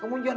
oh ini dong